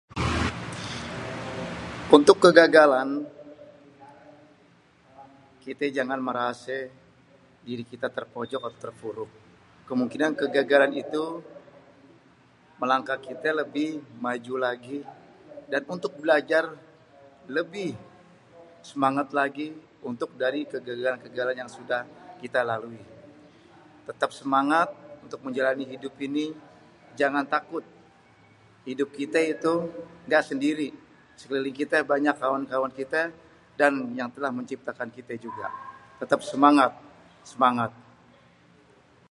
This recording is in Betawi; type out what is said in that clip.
untuk kegagalan kitè jangan merasè diri kita terpojok atau terpuruk.. karena kegagalan èntu melangkah kitè lebih maju lagi.. dan untuk belajar lebih semangat lagi dari kegagalan-kegagalan yang sudah kita lalui.. tètèp semangat untuk menjalani hidup ini.. jangan takut.. hidup kitè èntu ngga sendiri.. sekeliling kite banyak kawan kitè dan yang telah menciptakan kitè juga.. tètèp semangat.. semangatt..